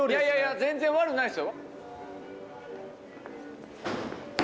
全然悪くないですよ。